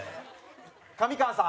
上川さん？